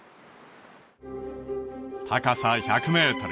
高さ１００メートル